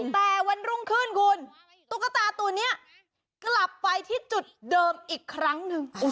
แต่วันรุ่งขึ้นคุณตุ๊กตาตัวนี้กลับไปที่จุดเดิมอีกครั้งหนึ่ง